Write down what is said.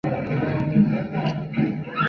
Su origen exacto no es conocido.